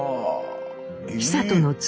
久渡の妻